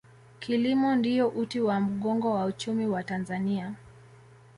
kilimo ndiyo uti wa mgongo wa uchumi wa tanzania